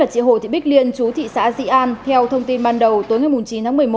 chị hồ thị bích liên chú thị xã di an theo thông tin ban đầu tối ngày chín tháng một mươi một